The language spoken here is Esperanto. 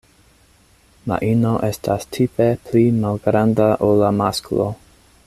La ino estas tipe pli malgranda ol la masklo.